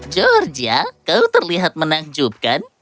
georgia kau terlihat menakjubkan